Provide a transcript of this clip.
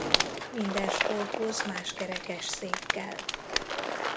Minden sporthoz más kerekesszék kell.